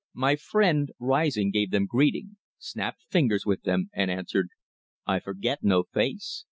My friend rising gave them greeting, snapped fingers with them, and answered: "I forget no face.